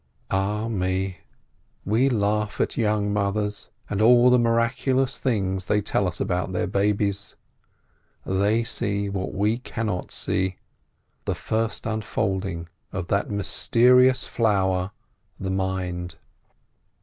Ah me! we laugh at young mothers, and all the miraculous things they tell us about their babies. They see what we cannot see: the first unfolding of that mysterious flower, the mind.